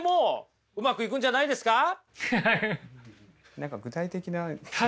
何か具体的な。